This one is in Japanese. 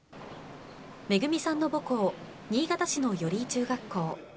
めぐみさんの母校、新潟市の寄居中学校。